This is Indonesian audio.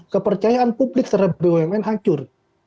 kepercayaan publik terhadap bumn hancur